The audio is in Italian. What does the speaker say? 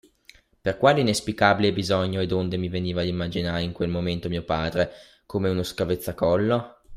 Per quale inesplicabile bisogno e donde mi veniva d'immaginare in quel momento mio padre, come uno scavezzacollo?